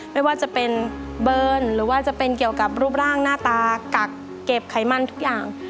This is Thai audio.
ไม่ว่าจะเป็นเบิร์นหรือว่าจะเป็นเกี่ยวกับรูปร่างหน้าตากักเก็บไขมันทุกอย่าง